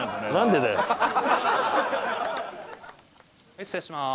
失礼します。